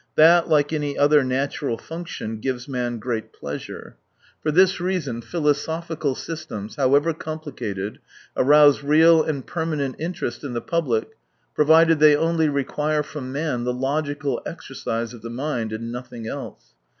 That, like any other natural function, gives man great pleasure. For this reason 138 philosophical systems, however complicated, arouse real and permanent interest in the public provided they only require from man the logical exercise of the mind, and nothing else.